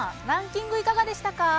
ランキングいかがでしたか？